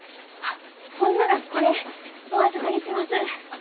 あっほんならこれお預かりします。